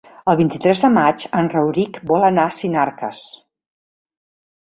El vint-i-tres de maig en Rauric vol anar a Sinarques.